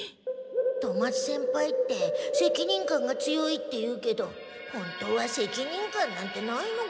富松先輩って責任感が強いっていうけど本当は責任感なんてないのかも。